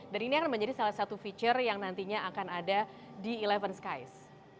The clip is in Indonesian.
dan ini akan menjadi salah satu fitur yang nantinya akan ada di sebelas skies